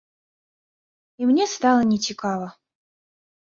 І мне стала нецікава.